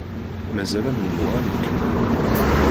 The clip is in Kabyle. Mazal amennuɣ ad ikemmel.